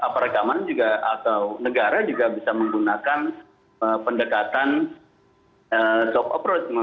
perekaman juga atau negara juga bisa menggunakan pendekatan soft approach